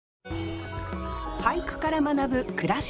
俳句から学ぶ暮らしの知恵。